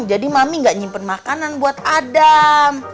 jadi mami tidak menyimpan makanan untuk adam